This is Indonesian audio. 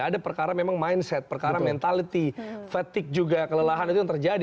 ada perkara memang mindset perkara mentality fetik juga kelelahan itu yang terjadi